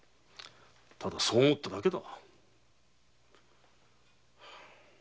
ただそう思っただけだ。